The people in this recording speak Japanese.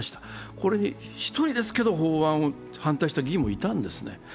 これに１人ですけど、法案に反対した議員もいたんです。